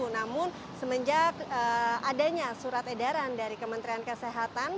namun semenjak adanya surat edaran dari kementerian kesehatan